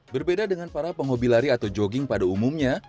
berbeda dengan para penghobi lari atau jogging pada umumnya